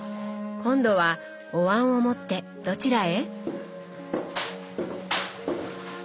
今度はお椀を持ってどちらへ？